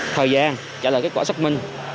thời gian trả lời kết quả xác minh